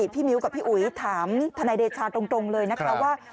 มิ้วกับพี่อุ๋ยถามทนายเดชาตรงเลยนะคะว่า